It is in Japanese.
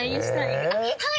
はい。